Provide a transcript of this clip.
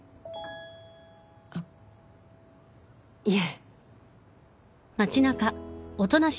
あっいえ。